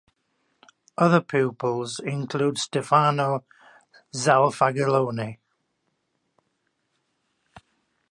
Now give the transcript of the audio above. Other pupils include Stefano Falzagalloni.